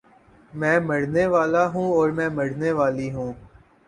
میں مرنے والا ہوں اور میں مرنے والی ہوں